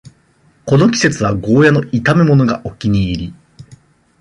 この季節はゴーヤの炒めものがお気に入り